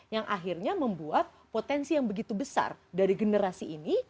yang akhirnya membuat potensi yang begitu besar dari generasi ini